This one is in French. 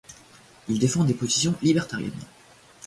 Il défend des positions libertariennes.